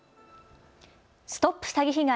ＳＴＯＰ詐欺被害！